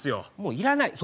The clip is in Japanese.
いらないよ